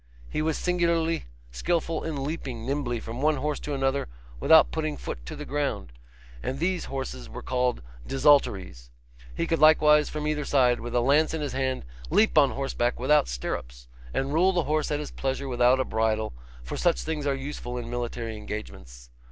He was singularly skilful in leaping nimbly from one horse to another without putting foot to ground, and these horses were called desultories. He could likewise from either side, with a lance in his hand, leap on horseback without stirrups, and rule the horse at his pleasure without a bridle, for such things are useful in military engagements.